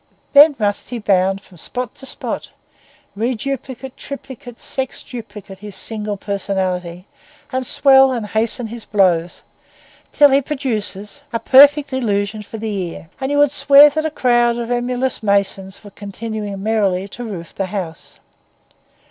Then must he bound from spot to spot, reduplicate, triplicate, sexduplicate his single personality, and swell and hasten his blows, until he produce a perfect illusion for the ear, and you would swear that a crowd of emulous masons were continuing merrily to roof the house.